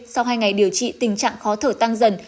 sau hai ngày điều trị tình trạng khó thở tăng dần